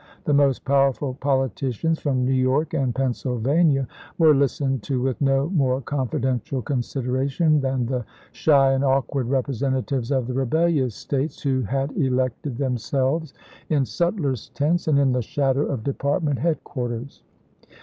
The most powerful politicians from New York and Pennsyl vania were listened to with no more confidential consideration than the shy and awkward repre sentatives of the rebellious States, who had elected LINCOLN KENOMINATED 63 J. H., Diary. themselves in sutlers' tents and in the shadow of chap, iil department headquarters.